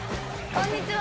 こんにちは。